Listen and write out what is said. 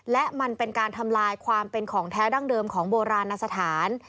และมันเป็นการทำลายความเป็นของแท้ดั้งเดิมของโบราณสถาน